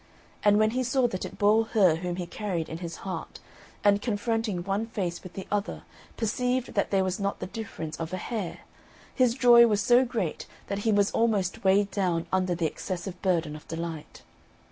And when he saw that it bore her whom he carried in his heart, and confronting one face with the other perceived that there was not the difference of a hair, his joy was so great that he was almost weighed down under the excessive burden of delight.